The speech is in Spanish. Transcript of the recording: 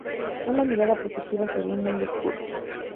Una mirada positiva sobre un mundo oscuro.